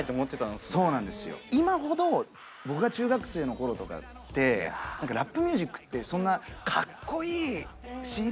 今ほど僕が中学生の頃とかって何かラップ・ミュージックってそんな「かっこいい！しび！」